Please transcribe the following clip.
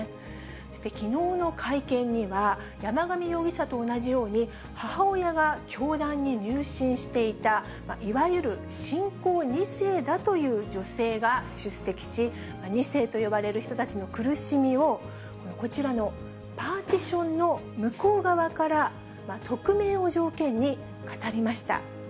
そしてきのうの会見には、山上容疑者と同じように、母親が教団に入信していた、いわゆる信仰２世だという女性が出席し、２世と呼ばれる人たちの苦しみをこちらのパーティションの向こう側から、匿名を条件に語りました。